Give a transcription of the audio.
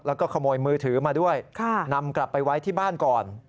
แล้วก็ขโมยมือถือมาด้วยนำกลับไปไว้ที่บ้านก่อน